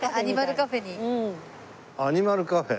アニマルカフェ？